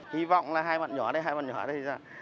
hy vọng là hai bạn nhỏ này